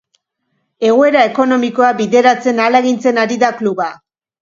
Egoera ekonomikoa bideratzen ahalegintzen ari da kluba.